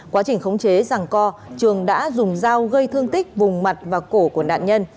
quá trình khống chế rằng co trường đã dùng dao gây thương tích vùng mặt và cổ của nạn nhân